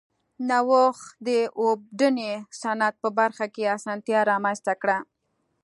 نوښت د اوبدنې صنعت په برخه کې اسانتیا رامنځته کړه.